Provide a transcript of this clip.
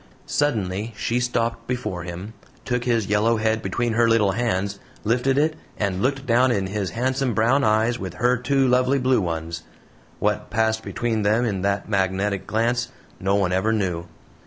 Suddenly she stopped before him, took his yellow head between her little hands, lifted it, and looked down in his handsome brown eyes with her two lovely blue ones. What passed between them in that magnetic glance no one ever knew.